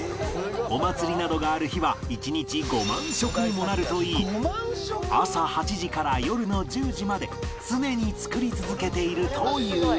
お祭りなどがある日は１日５万食にもなるといい朝８時から夜の１０時まで常に作り続けているという